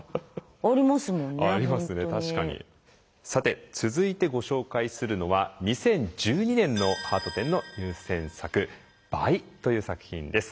さて続いてご紹介するのは２０１２年のハート展の入選作「倍」という作品です。